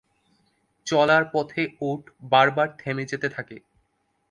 চলার পথে উট বার বার থেমে যেতে থাকে।